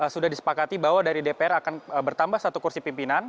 sudah disepakati bahwa dari dpr akan bertambah satu kursi pimpinan